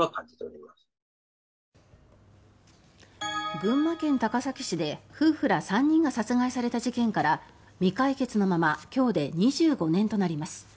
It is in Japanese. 群馬県高崎市で夫婦ら３人が殺害された事件から未解決のまま今日で２５年となります。